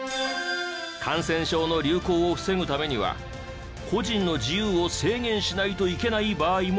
感染症の流行を防ぐためには個人の自由を制限しないといけない場合もある。